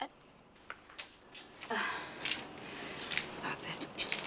terima kasih pak